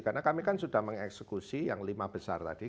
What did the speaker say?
karena kami kan sudah mengeksekusi yang lima besar tadi